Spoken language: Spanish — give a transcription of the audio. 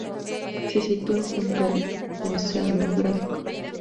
Se sitúa junto al oceanográfico.